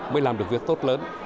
mới làm được việc tốt lớn